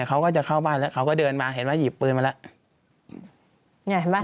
เขาก็จะเข้าบ้านแล้วเขาก็เดินมาเห็นว่าหยิบปืนมาแล้ว